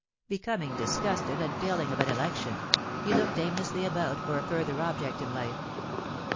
Becoming disgusted, and failing of an election, he looked aimlessly about for a further object in life.